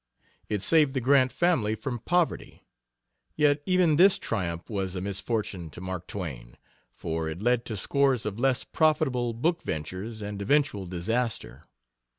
It saved the Grant family from poverty. Yet even this triumph was a misfortune to Mark Twain, for it led to scores of less profitable book ventures and eventual disaster.